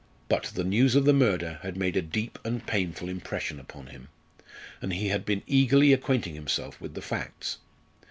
But the news of the murder had made a deep and painful impression upon him, and he had been eagerly acquainting himself with the facts.